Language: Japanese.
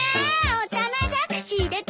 オタマジャクシ入れとくの！